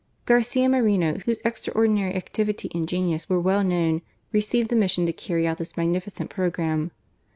Garcia Moreno, whose extraordinary activity and genius were well known, received the mission to carry out this magnificent programme.